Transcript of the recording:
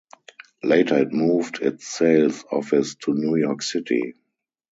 Later it moved its sales office to New York City.